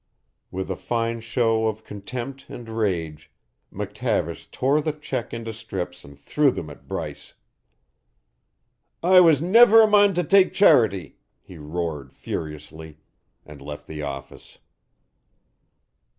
With a fine show of contempt and rage, McTavish tore the check into strips and threw them at Bryce. "I was never a mon to take charity," he roared furiously, and left the office.